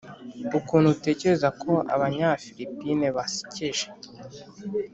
ukuntu utekereza ko abanyafilipine basekeje.